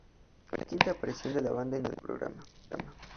Fue la quinta aparición de la banda en el programa.